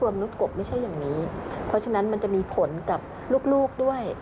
มนุษย์กบไม่ใช่อย่างนี้เพราะฉะนั้นมันจะมีผลกับลูกด้วย